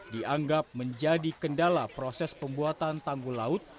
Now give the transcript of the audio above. dianggap menjadi kendala proses pembuatan tanggul laut